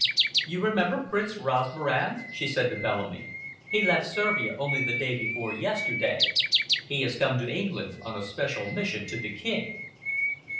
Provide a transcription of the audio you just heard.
"You remember Prince Rosmaran?" she said to Bellamy. "He left Servia only the day before yesterday. He has come to England on a special mission to the King."